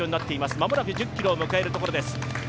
間もなく１０ｋｍを迎えるところです。